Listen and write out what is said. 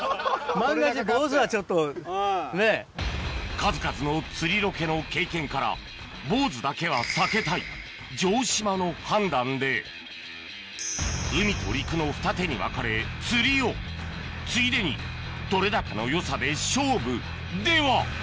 数々の釣りロケの経験からボウズだけは避けたい城島の判断で海と陸のふた手に分かれ釣りをついでに撮れ高のよさで勝負では！